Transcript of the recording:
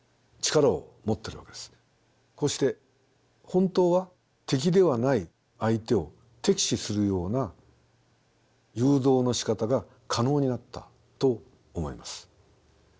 こうして本当は敵ではない相手を敵視するような誘導のしかたが可能になったと思います。